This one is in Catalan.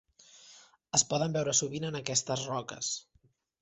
Es poden veure sovint en aquestes roques.